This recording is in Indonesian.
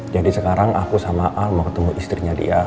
jadi sekarang aku sama al mau ketemu istrinya dia